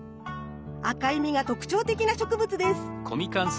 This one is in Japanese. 赤い実が特徴的な植物です。